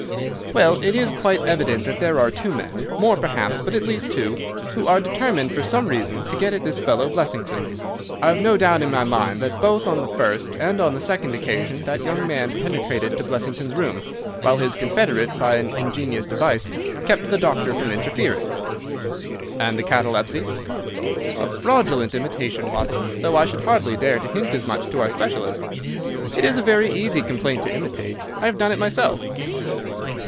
"Well, it is quite evident that there are two men—more, perhaps, but at least two—who are determined for some reason to get at this fellow Blessington. I have no doubt in my mind that both on the first and on the second occasion that young man penetrated to Blessington's room, while his confederate, by an ingenious device, kept the doctor from interfering." "And the catalepsy?" "A fraudulent imitation, Watson, though I should hardly dare to hint as much to our specialist. It is a very easy complaint to imitate. I have done it myself."